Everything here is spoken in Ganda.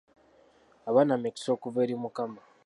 Abaana mikisa okuva eri mukama.